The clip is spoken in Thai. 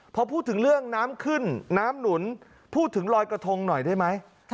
พอพูดถึงเรื่องน้ำขึ้นน้ำหนุนพูดถึงลอยกระทงหน่อยได้ไหม